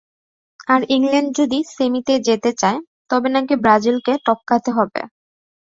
আর England যদি সেমিতে যেতে চায়, তবে নাকি ব্রাজিলকে টপকাতে হবে।